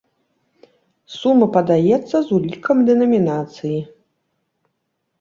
Сума падаецца з улікам дэнамінацыі.